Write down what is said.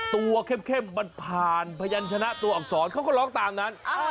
เข้มมันผ่านพยันชนะตัวอักษรเขาก็ร้องตามนั้น